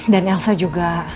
dan elsa juga